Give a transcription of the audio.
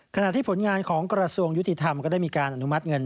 ขณะที่ผลงานของกระทรวงยุติธรรมก็ได้มีการอนุมัติเงิน